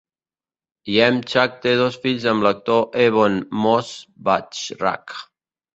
Yemchuck té dos fills amb l'actor Ebon Moss-Bachrach.